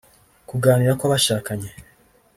kuganira kw’abashakanye